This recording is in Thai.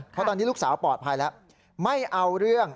เพราะตอนนี้ลูกสาวปลอดภัยแล้วไม่เอาเรื่อง